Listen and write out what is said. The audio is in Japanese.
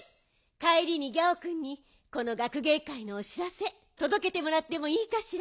かえりにギャオくんにこのがくげいかいのおしらせとどけてもらってもいいかしら？